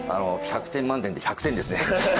１００点満点で１００点ですね。